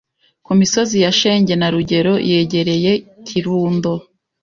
ku misozi ya Shinge na Rugero yegereye Kirundo